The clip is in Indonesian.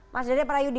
mas dede prayudi